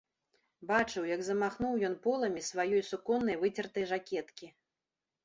Бачыў, як замахнуў ён поламі сваёй суконнай выцертай жакеткі.